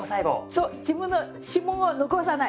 そう自分の指紋は残さない。